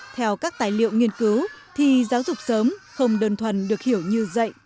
theo các tài liệu nghiên cứu thì giáo dục sớm không đơn thuần được hiểu như dạy